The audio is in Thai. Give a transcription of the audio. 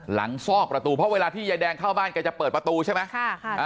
ซอกประตูเพราะเวลาที่ยายแดงเข้าบ้านแกจะเปิดประตูใช่ไหม